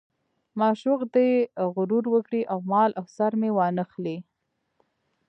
معشوق دې غرور وکړي او مال او سر مې وانه خلي.